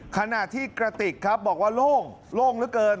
ขณะที่กระติกครับบอกว่าโล่งโล่งเหลือเกิน